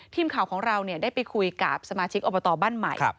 ทีมข่าวของเราได้ไปคุยกับสมาชิกอบตบ้านใหม่